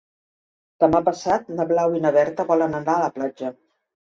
Demà passat na Blau i na Berta volen anar a la platja.